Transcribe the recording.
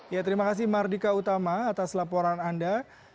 ya terima kasih mardika utama atas laporan anda